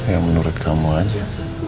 ya menurut kamu aja